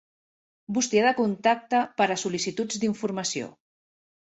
Bústia de contacte per a sol·licituds d'informació.